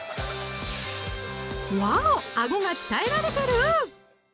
あごが鍛えられてる！